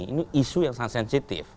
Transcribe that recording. ini isu yang sangat sensitif